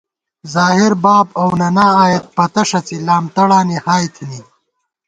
ظاہر ، باب اؤ ننا آئېت پتہ ݭَڅی ، لام تڑانی ہائے تھنی